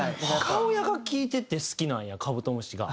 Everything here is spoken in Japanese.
母親が聴いてて好きなんや『カブトムシ』が。